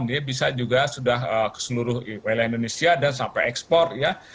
dia bisa juga sudah ke seluruh wilayah indonesia dan sampai ekspor ya